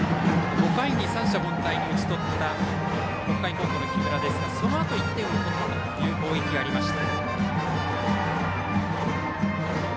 ５回に三者凡退に打ち取った北海高校の木村ですがそのあと１点を取ったという攻撃がありました。